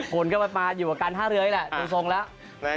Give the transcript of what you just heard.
คนก็มาอยู่ก็กัน๕๐๐แหละตรงแล้ว